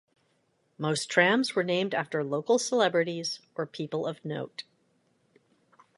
Most trams were named after local celebrities or people of note.